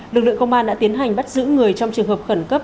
lực lượng công an đã tiến hành bắt giữ người trong trường hợp khẩn cấp